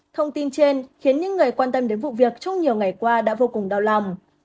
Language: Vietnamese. thông tin trên khiến những người quan tâm đến vụ việc trong nhiều ngày qua đã vô cùng đau lòng